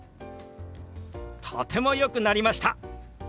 とてもよくなりました！